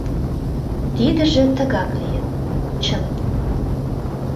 Тидыже тыгак лийын, чын.